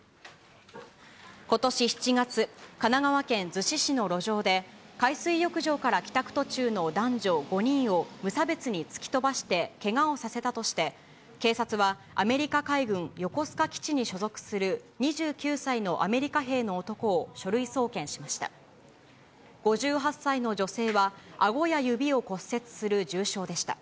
ことし７月、神奈川県逗子市の路上で、海水浴場から帰宅途中の男女５人を無差別に突き飛ばして、けがをさせたとして、警察はアメリカ海軍横須賀基地に所属する２９歳のアメリカ兵の男を書類送検しました。